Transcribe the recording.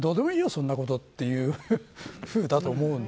そんなことというふうだと思うんです。